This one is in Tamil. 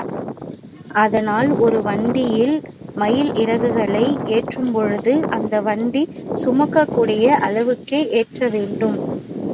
அதனால் ஒரு வண்டியில் மயில் இறகுகளை ஏற்றும்பொழுது அந்த வண்டி சுமக்கக்கூடிய அளவுக்கே ஏற்றவேண்டும்.